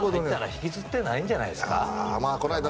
引きずってないんじゃないですか？